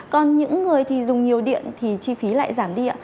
còn những người dùng nhiều điện thì chi phí lại giảm đi